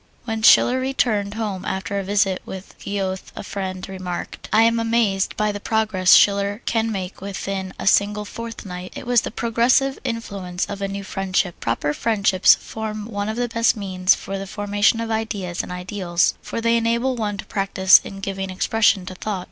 When Schiller returned home after a visit with Goethe a friend remarked: "I am amazed by the progress Schiller can make within a single fortnight." It was the progressive influence of a new friendship. Proper friendships form one of the best means for the formation of ideas and ideals, for they enable one to practise in giving expression to thought.